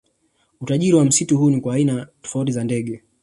Utajiri wa msitu huu ni kwa aina tofauti za ndege